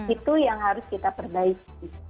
itu yang harus kita perbaiki